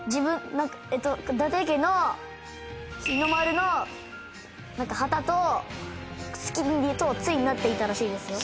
伊達家の日の丸の旗と月と対になっていたらしいですよ。